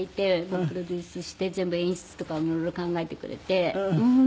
プロデュースして全部演出とかも色々考えてくれて。